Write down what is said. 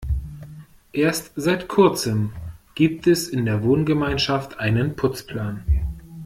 Erst seit Kurzem gibt es in der Wohngemeinschaft einen Putzplan.